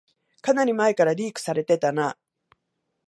かなり前からリークされてたな